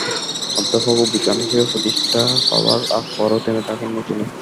অধ্যাপক ও বিজ্ঞানী হিসেবে প্রতিষ্ঠা পাবার পরও থেমে থাকেননি তিনি।